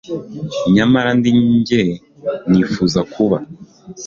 nyamara ndi njye, nifuza kuba